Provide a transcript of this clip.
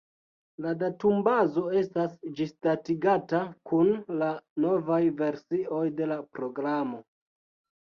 La datumbazo estas ĝisdatigata kun la novaj versioj de la programo.